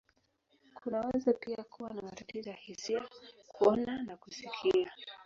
Kunaweza pia kuwa na matatizo ya hisia, kuona, na kusikia.